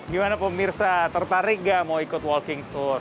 gimana pemirsa tertarik gak mau ikut walking tour